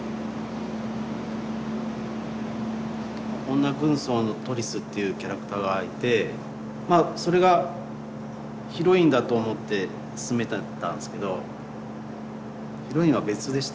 女軍曹のトリスっていうキャラクターがいてそれがヒロインだと思って進めてたんですけどヒロインは別でした。